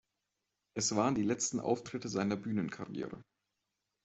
Es waren die letzten Auftritte seiner Bühnenkarriere.